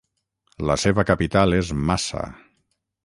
La seva capital és Massa.